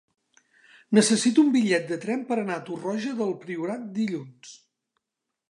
Necessito un bitllet de tren per anar a Torroja del Priorat dilluns.